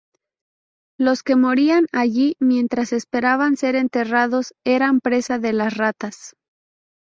Los que morían allí, mientras esperaban ser enterrados eran presa de las ratas.